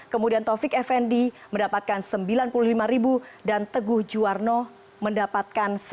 kemudian tovik effendi mendapatkan sembilan puluh lima ribu dan teguh juwarno mendapatkan satu ratus empat puluh lima ribu us dollar